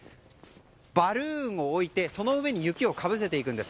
バルーンを置いてその上に雪をかぶせていくんです。